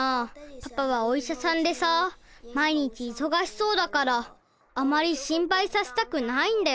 パパはおいしゃさんでさ毎日いそがしそうだからあまり心ぱいさせたくないんだよね。